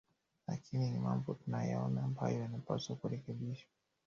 lakini ni mambo tunayaona ambayo yanapaswa kurekebishwa